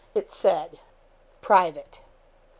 It said: '(Private.) REV.